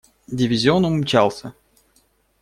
Дивизион умчался.